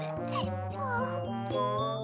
あーぷん？